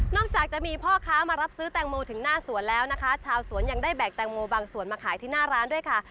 จากจะมีพ่อค้ามารับซื้อแตงโมถึงหน้าสวนแล้วนะคะชาวสวนยังได้แบกแตงโมบางส่วนมาขายที่หน้าร้านด้วยค่ะ